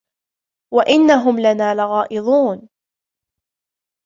وَإِنَّهُمْ لَنَا لَغَائِظُونَ